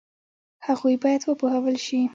هغوی باید وپوهول شي.